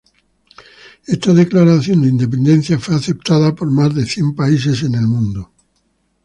Esta declaración de Independencia fue aceptada por más de cien países en el mundo.